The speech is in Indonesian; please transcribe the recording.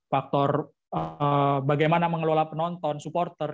faktor bagaimana mengelola penonton supporter